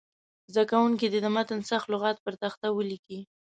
زده کوونکي دې د متن سخت لغات پر تخته ولیکي.